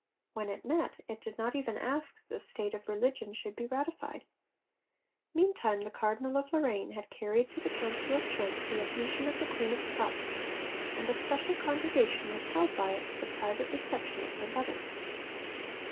When it met, it did not even ask that the 'state of religion' should be ratified. Meantime the Cardinal of Lorraine had carried to the Council of Trent the adhesion of the Queen of Scots, and a special congregation was held by it for the private reception of her letter.